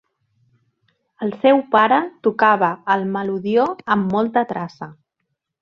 El seu pare tocava el melodió amb molta traça.